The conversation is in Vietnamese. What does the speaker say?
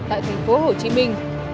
tại thành phố hồ chí minh